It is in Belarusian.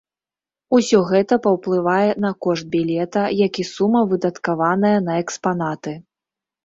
Усё гэта паўплывае на кошт білета, як і сума, выдаткаваная на экспанаты.